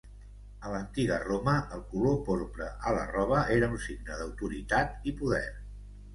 A l'antiga Roma el color porpra a la roba era un signe d'autoritat i poder.